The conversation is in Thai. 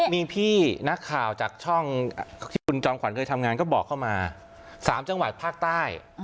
มีพี่นักข่าวจากช่องที่คุณจอมขวัญเคยทำงานก็บอกเข้ามา๓จังหวัดภาคใต้